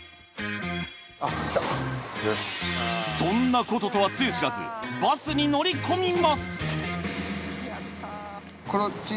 そんなこととはつゆ知らずバスに乗り込みます。